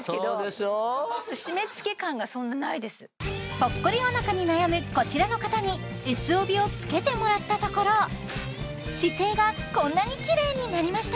ぽっこりおなかに悩むこちらの方にＳ帯をつけてもらったところ姿勢がこんなにきれいになりました